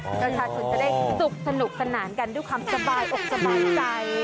แล้วชาติคุณจะได้สุขสนุกขนาดนั้นกันด้วยความสบายอกสบายใจ